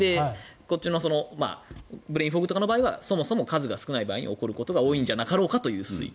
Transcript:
こっちのブレインフォグとかの場合はそもそも数が少ない場合に起こることが多いんじゃなかろうかという推定。